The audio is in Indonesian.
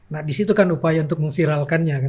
nah disitu kan upaya untuk mengviralkannya kan